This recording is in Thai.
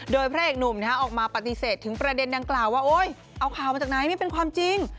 โดยพระเอกหนุ่มออกมาปฏิเสธถึงประเด็นดังกล่าวว่าโอ๊ยเอาข่าวมาจากไหนไม่เป็นความจริง